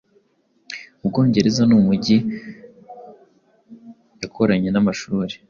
Ubwongereza nUmujyi yakoranye namashuri